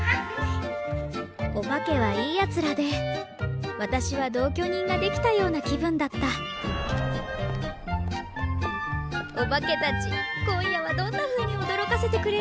お化けはいいやつらで私は同居人ができたような気分だったお化けたち今夜はどんなふうにおどろかせてくれるかな？